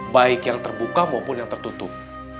baik yang terbuka maupun yang tertutup